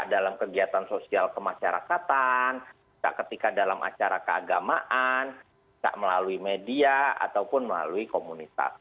dalam kegiatan sosial kemasyarakatan bisa ketika dalam acara keagamaan bisa melalui media ataupun melalui komunitas